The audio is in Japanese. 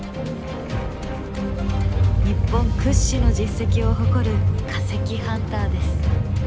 日本屈指の実績を誇る化石ハンターです。